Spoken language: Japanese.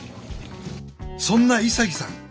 そんな潔さん